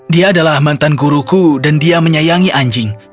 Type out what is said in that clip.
dia adalah mantan guruku dan dia menyayangi anjing